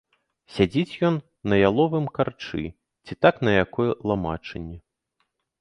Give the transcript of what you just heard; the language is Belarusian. Сядзіць ён на яловым карчы ці так на якой ламачыне.